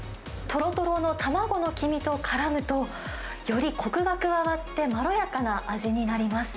とろとろの卵の黄身とからむと、よりこくが加わって、まろやかな味になります。